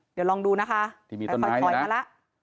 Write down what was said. เดี๋ยวลองดูนะคะถอยมาละ